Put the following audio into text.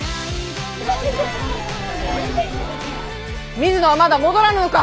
水野はまだ戻らぬのか！